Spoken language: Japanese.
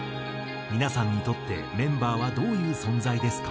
「皆さんにとってメンバーはどういう存在ですか？」。